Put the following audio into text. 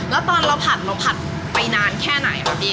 แล้วตอนเราผัดเราผัดไปนานแค่ไหนครับพี่